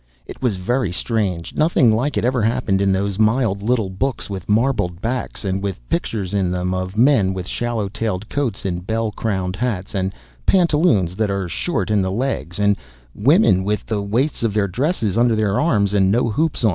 It was very strange nothing like it ever happened in those mild little books with marbled backs, and with pictures in them of men with swallow tailed coats and bell crowned hats, and pantaloons that are short in the legs, and women with the waists of their dresses under their arms, and no hoops on.